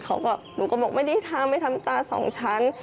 เขาก็หนูก็บอกไม่ได้ทำไม่ทำตาสองชั้น